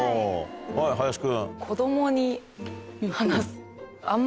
はい林君。